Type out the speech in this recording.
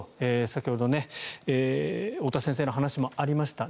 先ほど太田先生の話にもありました